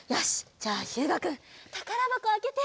じゃあひゅうがくんたからばこをあけて。